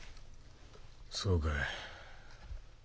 そうかい。